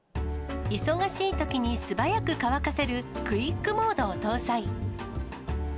忙しいときに素早く乾かせるクイックモードを搭載。